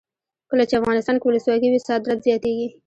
کله چې افغانستان کې ولسواکي وي صادرات زیاتیږي.